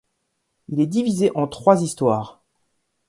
Il est divisé en trois histoires.